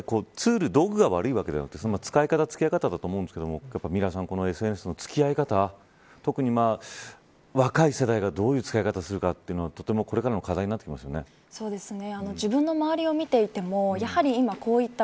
基本的なことに、気を付けてツールや道具が悪いわけではなくて付き合い方と思うんですけどミラさんＳＮＳの付き合い方特に若い世代がどういう使い方するかというのはこれからの課題になってきますね。